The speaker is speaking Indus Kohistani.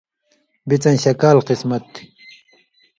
بِڅَیں شکال قسمت تھی